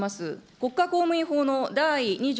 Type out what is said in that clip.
国家公務員法の第２条